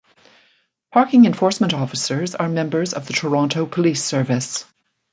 Parking enforcement officers are members of the Toronto Police Service.